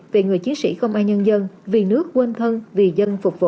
về người chiến sĩ không ai nhân dân vì nước quên thân vì dân phục vụ